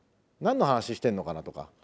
何の話してんのかなとか。